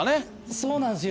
そうなんっすよ。